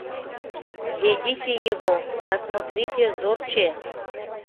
Ведите его, да смотрите зорче!..